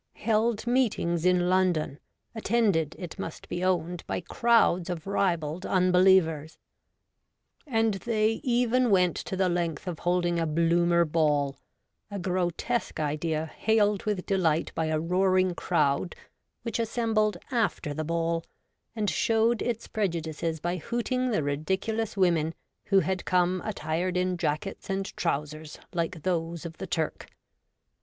— held meetings in London, attended, it must be owned, by crowds of ribald unbelievers ; and they even went to the length of holding a ' Bloomer Ball,' a grotesque idea hailed with delight by a roaring crowd which assembled ' after the ball,' and showed its prejudices by hooting the ridiculous women who had come attired in jackets and trousers like those of the Turk.